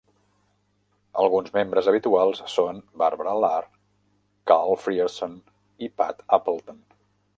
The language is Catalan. Alguns membres habituals són Barbara Lahr, Karl Frierson i Pat Appleton.